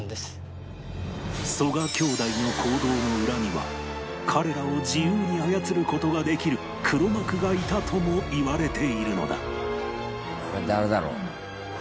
曽我兄弟の行動の裏には彼らを自由に操る事ができる黒幕がいたともいわれているのだ